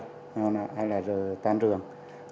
sau đó là giờ tan trường